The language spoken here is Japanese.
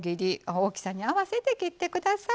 大きさに合わせて切ってください。